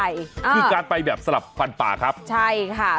คือการไปสลับฟันปลาครับไอ้นะคะ